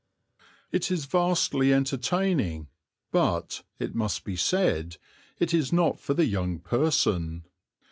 It is vastly entertaining, but, it must be said, it is not for the young person.